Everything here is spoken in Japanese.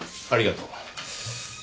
ありがとう。